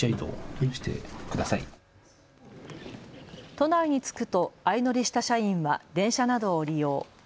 都内に着くと相乗りした社員は電車などを利用。